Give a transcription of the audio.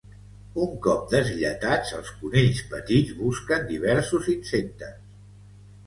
Un cop deslletats, els conills petits busquen diversos insectes.